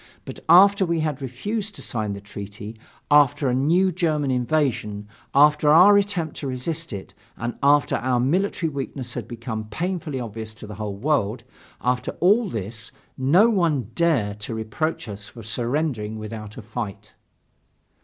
But after we had refused to sign the treaty, after a new German invasion, after our attempt to resist it, and after our military weakness had become painfully obvious to the whole world, after all this, no one dare to reproach us for surrendering without a fight."